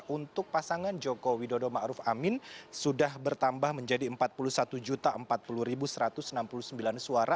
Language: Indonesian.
untuk pasangan joko widodo ⁇ maruf ⁇ amin sudah bertambah menjadi empat puluh satu empat puluh satu ratus enam puluh sembilan suara